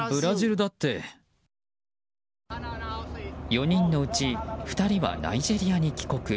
４人のうち２人はナイジェリアに帰国。